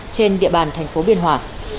trên địa bàn thành phố biên hòa